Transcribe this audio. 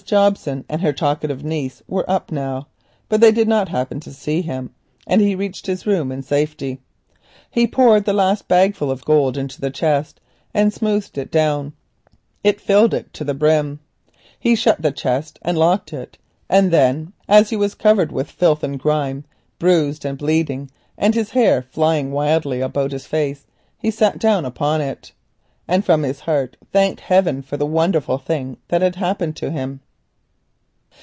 Jobson and her talkative niece were up now, but they did not happen to see him, and he reached his room unnoticed. He poured the last bagful of gold into the chest, smoothed it down, shut the lid and locked it. Then as he was, covered with filth and grime, bruised and bleeding, his hair flying wildly about his face, he sat down upon it, and from his heart thanked heaven for the wonderful thing that had happened to him.